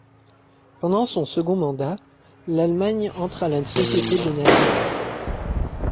Pendant son second mandat, l'Allemagne entre à la Société des Nations.